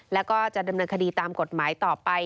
แล้วก็จะดำเนินคดีตามกฎหมายต่อไป